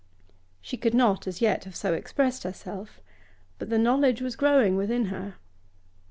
She could not as yet have so expressed herself, but the knowledge was growing within her.